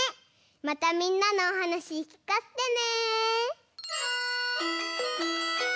またみんなのおはなしきかせてね。